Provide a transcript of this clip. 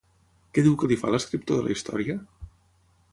Què diu que li fa l'escriptor de la història?